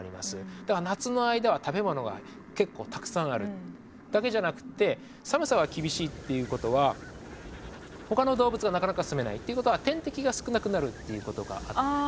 だから夏の間は食べ物が結構たくさんあるだけじゃなくって寒さが厳しいっていうことはほかの動物がなかなか住めない。ということは天敵が少なくなるっていうことがあって。